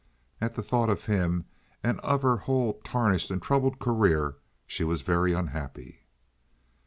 At the thought of him and of her whole tarnished and troubled career she was very unhappy.